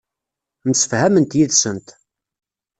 Msefhament yid-sent.